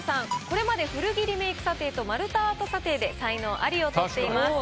これまで古着リメイク査定と丸太アート査定で才能アリを取っています。